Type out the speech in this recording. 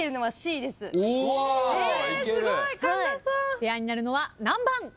ペアになるのは何番？